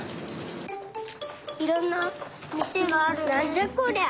いろんなみせがあるね。